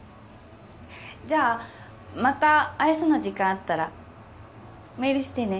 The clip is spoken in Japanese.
じゃあまた会えそうな時間あったらメールしてね。